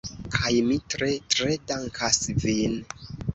Kaj mi tre, tre dankas vin.